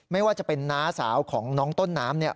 ไม่ว่าจะเป็นน้าสาวของน้องต้นน้ำเนี่ย